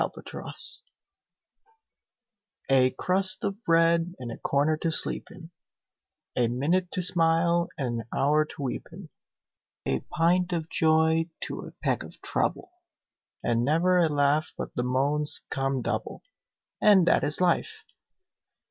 Y Z Life A CRUST of bread and a corner to sleep in, A minute to smile and an hour to weep in, A pint of joy to a peck of trouble, And never a laugh but the moans come double; And that is life!